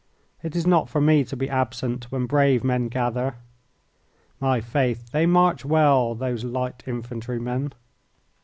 It is not for me to be absent when brave men gather. My faith, they march well, those little infantrymen!